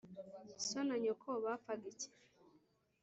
So na Nyoko bapfaga iki?